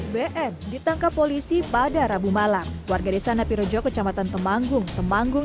bn ditangkap polisi pada rabu malam warga desa napirejo kecamatan temanggung temanggung